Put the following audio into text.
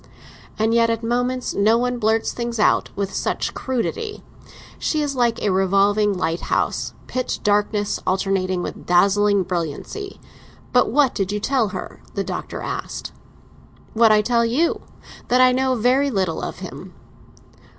"And yet at moments no one blurts things out with such crudity. She is like a revolving lighthouse; pitch darkness alternating with a dazzling brilliancy! But what did you tell her?" the Doctor asked. "What I tell you; that I know very little of him."